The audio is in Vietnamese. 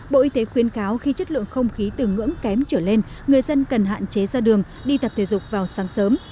bộ y tế khuyến cáo khi chất lượng không khí từ ngưỡng kém trở lên người dân cần hạn chế ra đường đi tập thể dục vào sáng sớm